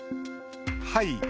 「はい」